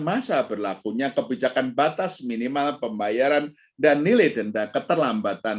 masa berlakunya kebijakan batas minimal pembayaran dan nilai denda keterlambatan